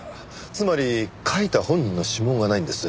つまり書いた本人の指紋がないんです。